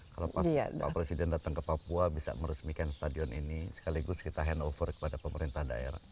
kalau pak presiden datang ke papua bisa meresmikan stadion ini sekaligus kita handover kepada pemerintah daerah